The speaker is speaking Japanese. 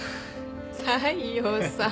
大陽さん。